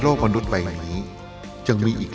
โดยที่แกอียนนี้